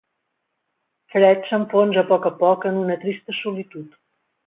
Fred s'enfonsa a poc a poc en una trista solitud.